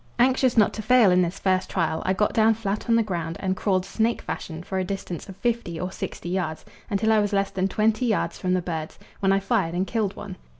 Anxious not to fail in this first trial, I got down flat on the ground and crawled snake fashion for a distance of fifty or sixty yards, until I was less than twenty yards from the birds, when I fired and killed one.